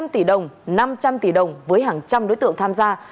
ba trăm linh tỷ đồng năm trăm linh tỷ đồng với hàng trăm đối tượng tham gia